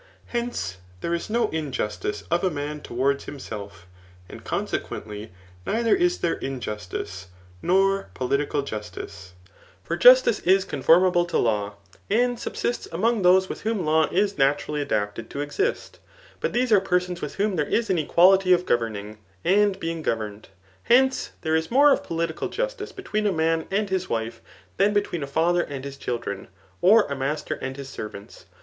Hence, there is no injustice of a man towards himself; and consequently neither is there injustice, nor political jusdce. For justice is conformable to law, and subsists among those with whom law is naturally adapted to exist. But these are persons with whom there is an equality of governing, and being governed. Hence', there is more of political justice between a man and his wife, than between a father and his children, or a mas ter and his servants.